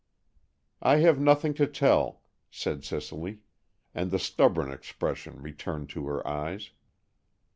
"I have nothing to tell," said Cicely, and the stubborn expression returned to her eyes.